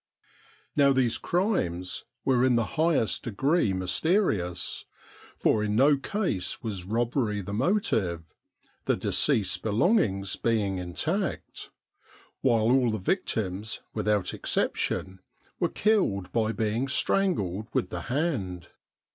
Now these crimes were in the highest degree mysterious, for in no case was robbery the motive, the deceased's be longings being intact ; while all the victims, without ex ception, were killed by being strangled with the hand.